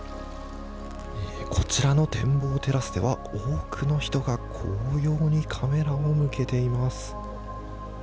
こちらの展望テラスでは多くの人が紅葉にカメラを向けています。